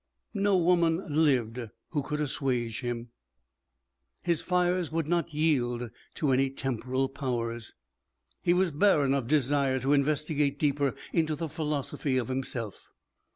No woman lived who could assuage him; his fires would not yield to any temporal powers. He was barren of desire to investigate deeper into the philosophy of himself.